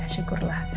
ya gak syukurlah